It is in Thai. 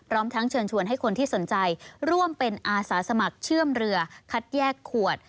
พร้อมทั้งเชิญชวนให้คนที่สนใจร่วมเป็นอาสาสมัครเชื่อมเรือคัดแยกขวด